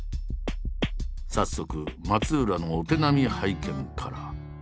早速松浦のお手並み拝見から。